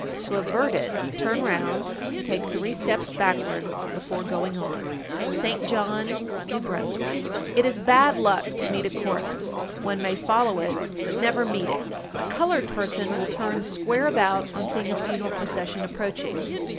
To avert it, turn round and take three steps backward before going on. St. John, N.B. 1260. It is bad luck to meet a corpse. One may follow it, but never meet it. A colored person will turn square about on seeing a funeral procession approaching.